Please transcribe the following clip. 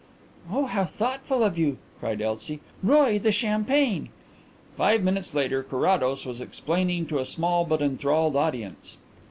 "Oh, how thoughtful of you!" cried Elsie. "Roy, the champagne." Five minutes later Carrados was explaining to a small but enthralled audience.